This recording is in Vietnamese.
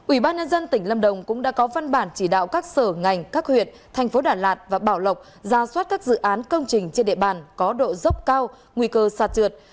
ủy ban nhân dân tỉnh lâm đồng cũng đã có văn bản chỉ đạo các sở ngành các huyện thành phố đà lạt và bảo lộc ra soát các dự án công trình trên địa bàn có độ dốc cao nguy cơ sạt trượt